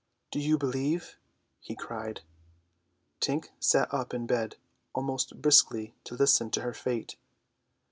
"Do you believe?" he cried. Tink sat up in bed almost briskly to listen to her fate.